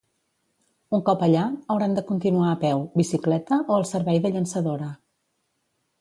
Un cop allà, hauran de continuar a peu, bicicleta o el servei de llançadora.